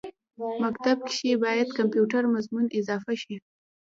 مکتب کښې باید کمپیوټر مضمون اضافه شي